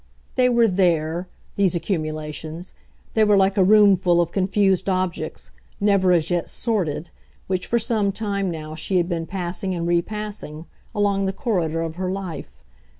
They were THERE, these accumulations; they were like a roomful of confused objects, never as yet "sorted," which for some time now she had been passing and re passing, along the corridor of her life.